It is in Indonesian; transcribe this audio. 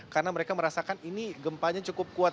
karena mereka merasakan ini gempanya cukup kuat